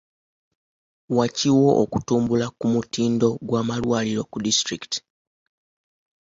Wakiwo okutumbula ku mutindo gw'amalwaliro ku disitulikiti.